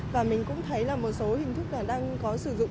và mình cũng thấy là một số hình thức là đang có sử dụng